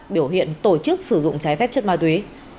biểu hiện tổ chức sử dụng trái phép chất ma túy